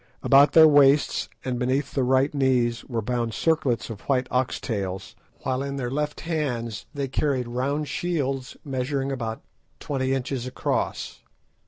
About their waists and beneath the right knees were bound circlets of white ox tails, while in their left hands they carried round shields measuring about twenty inches across.